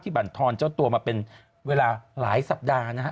บรรทอนเจ้าตัวมาเป็นเวลาหลายสัปดาห์นะฮะ